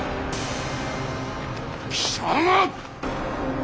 貴様。